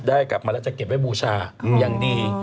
ได้แล้วก็จะเก็บไว้บูชาอย่างดี